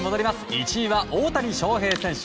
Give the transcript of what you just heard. １位は、大谷翔平選手。